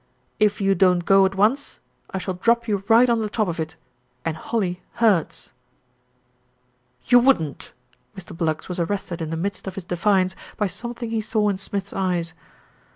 "If you don't go at once I shall drop you right on the top of it, and holly hurts." "You wouldn't " Mr. Bluggs was arrested in the midst of his defiance by something he saw in Smith's eyes.